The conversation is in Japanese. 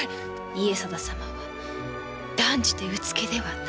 家定様は断じてうつけではない。